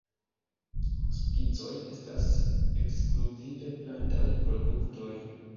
Spicoj estas ekskluzive plantaj produktoj.